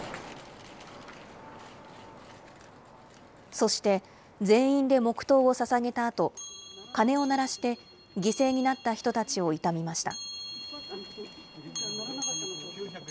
そして、全員で黙とうをささげたあと、鐘を鳴らして、犠牲になった人たちを悼みました。